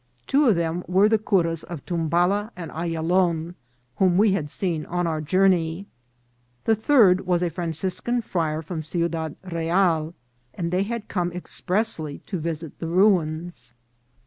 Two of them were the curas of Tumbala and Ayalon, whom we had seen on our journey. The third was a Franciscan friar from Ciudad Real, and they had come expressly to visit the ruins.